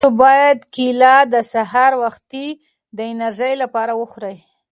تاسو باید کیله د سهار په وخت کې د انرژۍ لپاره وخورئ.